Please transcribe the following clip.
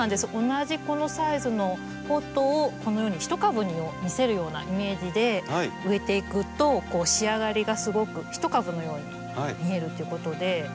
同じこのサイズのポットをこのように１株に見せるようなイメージで植えていくと仕上がりがすごく１株のように見えるということで。